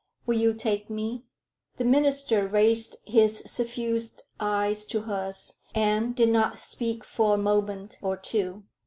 Will you take me?" The minister raised his suffused eyes to hers, and did not speak for a moment or two.